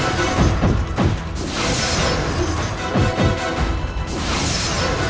itu tidak ada suara